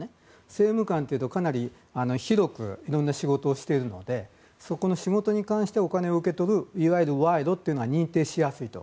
政務官というとかなり広くいろんな仕事をしているのでその仕事に関してお金を受け取るいわゆる賄賂が認定しやすいと。